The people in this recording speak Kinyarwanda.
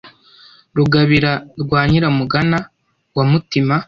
rugabira rwa nyiramugana wa mutima